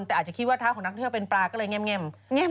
แต่อาจจะคิดว่าเท้าของนักเที่ยวเป็นปลาก็เลยแง่ม